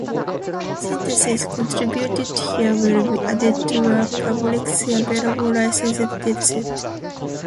Sentences contributed here will be added to a publicly available licensed dataset.